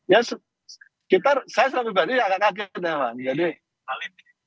ya kita saya secara pribadi agak kaget ya pak